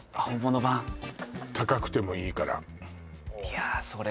高くてもいいからいやそれ